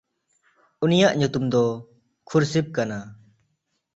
ᱩᱱᱤᱭᱟᱜ ᱧᱩᱛᱩᱢ ᱫᱚ ᱠᱷᱩᱨᱥᱤᱰ ᱠᱟᱱᱟ᱾